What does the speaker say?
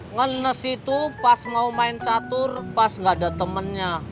ngenes itu pas mau main catur pas nggak ada temennya